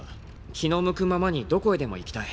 気の向くままにどこへでも行きたい。